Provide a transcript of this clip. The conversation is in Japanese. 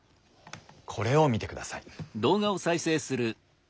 これを見てください。